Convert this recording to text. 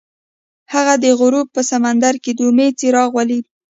هغه د غروب په سمندر کې د امید څراغ ولید.